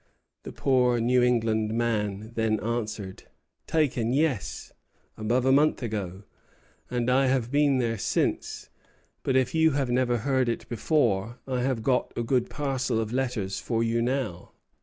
The poor New England man then answered: 'Taken, yes, above a month ago, and I have been there since; but if you have never heard it before, I have got a good parcel of letters for you now.'